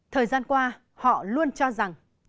thời gian qua họ luôn cho rằng